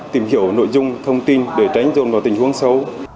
tìm hiểu nội dung thông tin để tránh dồn vào tình huống xấu